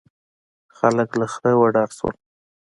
خلک له خره وډار شول.